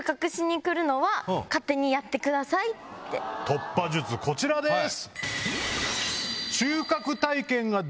突破術こちらです！